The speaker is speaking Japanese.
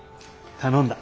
頼んだ。